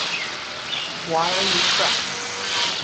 Why are you crying?